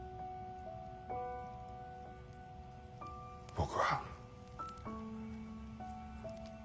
僕は。